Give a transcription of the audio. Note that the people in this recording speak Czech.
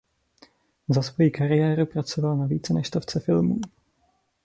Za svoji kariéru pracoval na více než stovce filmů.